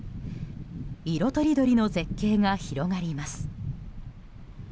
色とりどりの絶景が広がります。